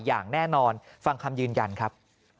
อย่างแน่นอนฟังคำยืนยันครับ